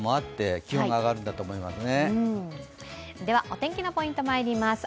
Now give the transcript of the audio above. お天気のポイントまいります。